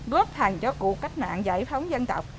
góp thành cho cuộc cách mạng giải phóng dân tộc